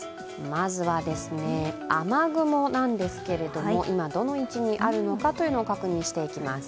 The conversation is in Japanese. まずは雨雲なんですけれども、今どの位置にあるのかを確認していきます。